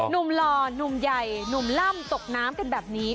หล่อหนุ่มใหญ่หนุ่มล่ำตกน้ำกันแบบนี้